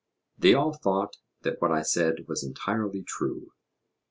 They all thought that what I said was entirely true.